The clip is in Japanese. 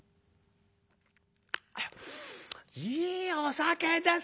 「いいお酒ですね。